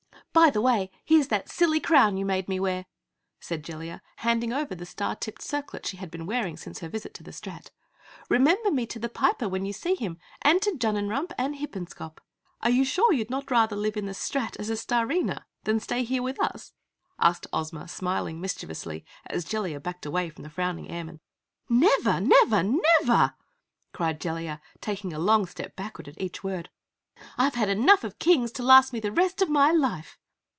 "By the way here's that silly crown you made me wear!" said Jellia, handing over the star tipped circlet she had been wearing since her visit to the Strat. "Remember me to the Piper when you see him and to Junnenrump and Hippenscop." "Are you sure you'd rather not live in the Strat as a Starina, than stay here with us?" asked Ozma, smiling mischievously, as Jellia backed away from the frowning airman. "Never! Never! NEVER!" cried Jellia, taking a long step backward at each word. "I've had enough of Kings to last me the rest of my life!"